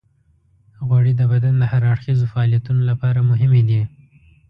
غوړې د بدن د هر اړخیزو فعالیتونو لپاره مهمې دي.